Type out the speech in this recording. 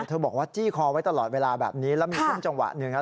เธอบอกว่าจี้คอไว้ตลอดเวลาแบบนี้แล้วมีช่วงจังหวะหนึ่งครับ